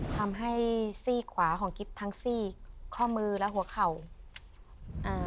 ทำให้ซีกขวาของกิฟต์ทั้งซีกข้อมือและหัวเข่าอ่า